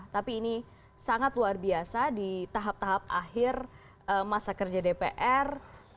tapi ini sangat luar biasa di tahap tahap akhir masa kerja dpr